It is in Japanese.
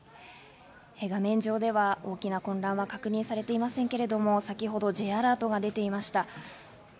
画面上では大きな混乱は確認されていませんけれども、先ほどＪアラートが出ていました。